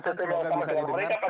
semoga bisa diterima